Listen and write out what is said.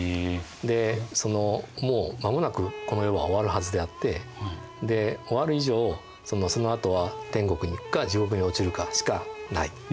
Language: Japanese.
でもう間もなくこの世は終わるはずであって終わる以上そのあとは天国にいくか地獄に落ちるかしかない。